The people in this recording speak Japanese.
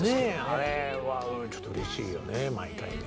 あれはちょっとうれしいよね毎回ね。